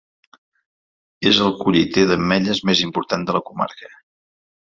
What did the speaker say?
És el colliter d'ametlles més important de la comarca.